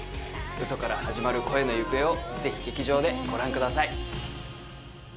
ウソから始まる恋の行方をぜひ劇場でご覧ください